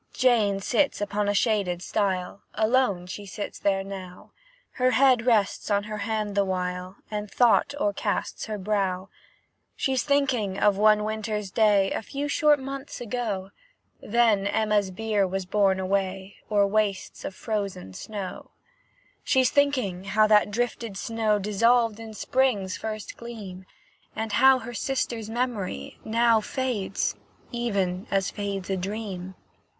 Jane sits upon a shaded stile, Alone she sits there now; Her head rests on her hand the while, And thought o'ercasts her brow. She's thinking of one winter's day, A few short months ago, Then Emma's bier was borne away O'er wastes of frozen snow. She's thinking how that drifted snow Dissolved in spring's first gleam, And how her sister's memory now Fades, even as fades a dream.